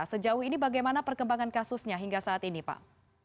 sejauh ini bagaimana perkembangan kasusnya hingga saat ini pak